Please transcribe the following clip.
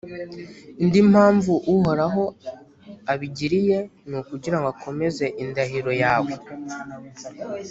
indi mpamvu uhoraho abigiriye, ni ukugira ngo akomeze indahiro yawe.